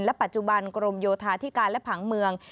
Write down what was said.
ปัจจุบันกรมโยธาธิการและผังเมือง